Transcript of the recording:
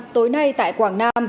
tối nay tại quảng nam